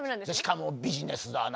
しかもビジネスだ